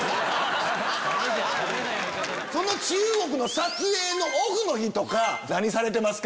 その中国の撮影のオフの日とか何されてますか？